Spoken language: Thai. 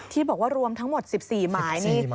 ที่บอกว่ารวมทั้งหมด๑๔หมายนี่